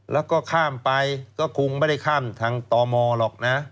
แล้วก็ข้ามไปก็คงไม่ได้ข้ามทางตมหรอกนะ